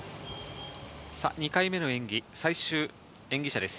２回目の演技、最終演技者です。